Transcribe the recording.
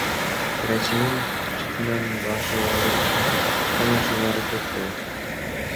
Керосиндин жытынан башы ооруп, кускан учурлары көп болот.